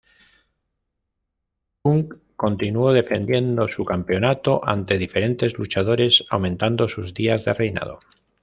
Punk continuó defendiendo su campeonato ante diferentes luchadores, aumentando sus días de reinado.